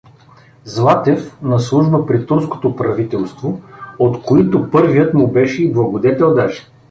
Златев, на служба при турското правителство, от които първият му беше и благодетел даже.